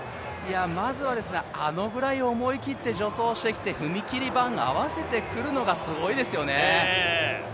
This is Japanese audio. まずはあのぐらい思い切って助走してきて、踏切板、合わせてくるのがすごいですよね。